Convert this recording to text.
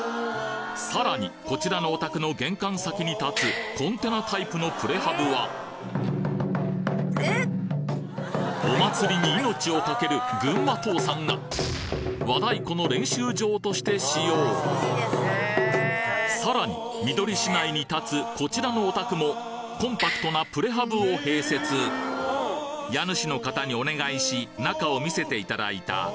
さらにこちらのお宅の玄関先に建つコンテナタイプのプレハブはお祭りに命をかける群馬父さんが和太鼓の練習場として使用さらにみどり市内に建つこちらのお宅もコンパクトなプレハブを併設家主の方にお願いし中を見せていただいた。